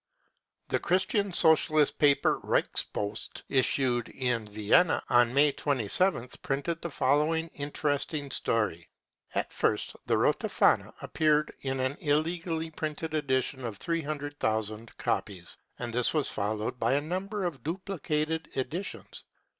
The Christian Socialist paper Reichspost , issued in Vienna, on May 27th, printed the following interesting story :<£ At first the Rote Fahne appeared in an illegally printed edition of 300,000 copies, and this was followed by a number of duplicated editions.